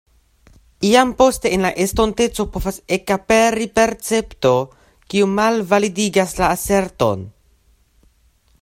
Iam poste en la estonteco povas ekaperi percepto, kiu malvalidigas la aserton.